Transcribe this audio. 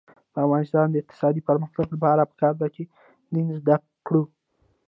د افغانستان د اقتصادي پرمختګ لپاره پکار ده چې دین زده کړو.